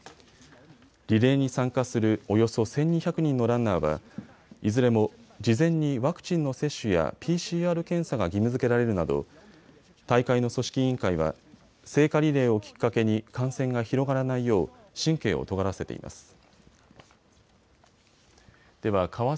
リレーに参加するおよそ１２００人のランナーはいずれも事前にワクチンの接種やＰＣＲ検査が義務づけられるなど大会の組織委員会は聖火リレーをきっかけに感染が広がらないよう神経をとがらせています。